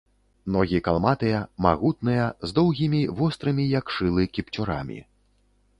Ногі калматыя, магутныя, з доўгімі, вострымі, як шылы, кіпцюрамі.